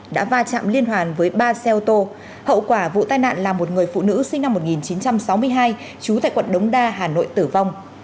đã va chạm liên hoàn với ba xe ô tô hậu quả vụ tai nạn là một người phụ nữ sinh năm một nghìn chín trăm sáu mươi hai trú tại quận đống đa hà nội tử vong